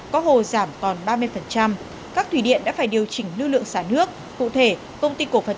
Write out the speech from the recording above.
có hồ giảm còn ba mươi các thủy điện đã phải điều chỉnh lưu lượng xả nước cụ thể công ty cổ phần